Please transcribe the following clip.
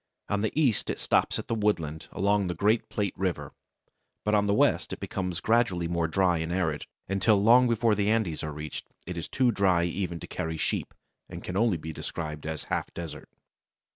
On the east it stops at the woodlands along the great Plate River, but on the west it becomes gradually more dry and arid, until long before the Andes are reached it is too dry even to carry sheep, and can only be described as a half desert.